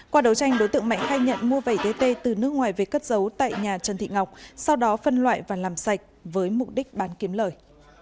qua đấu tranh đối tượng mạnh khai nhận mua vẩy tê từ nước ngoài về cất giấu tại nhà trần thị ngọc sau đó phân loại và làm sạch với mục đích bán kiếm lời